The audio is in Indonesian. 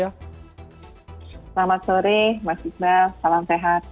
selamat sore mas iqbal salam sehat